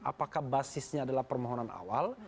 apakah basisnya adalah permohonan awal